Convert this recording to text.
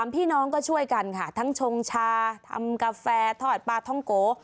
พี่น้องก็ช่วยกันค่ะทั้งชงชาทำกาแฟทอดปลาท่องโก